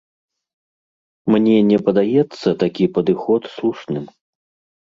Мне не падаецца такі падыход слушным.